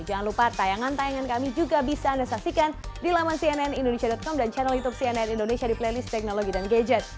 jangan lupa tayangan tayangan kami juga bisa anda saksikan di laman cnnindonesia com dan channel youtube cnn indonesia di playlist teknologi dan gadget